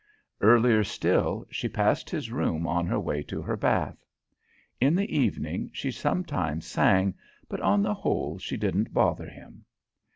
Earlier still, she passed his room on her way to her bath. In the evening she sometimes sang, but on the whole she didn't bother him.